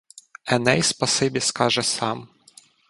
Еней спасибі скаже сам.